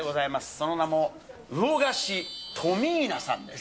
その名も、魚河岸トミーナさんです。